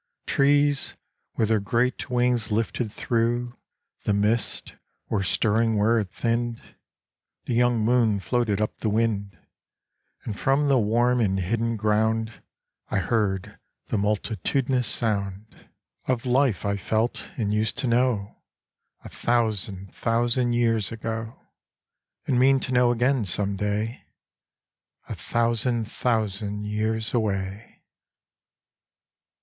Trees, with their great wings lifted through The mist, were stirring where it thinned. The young moon floated up the wind, And from the warm and hidden ground I heard the multitudinous sound Of life I felt and used to know A thousand thousand years ago, And mean to know again some day A thousand thousand years away.